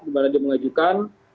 dimana dia mengajukan